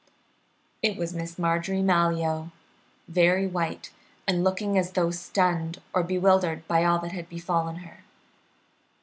It was Miss Marjorie Malyoe, very white, and looking as though stunned or bewildered by all that had befallen her.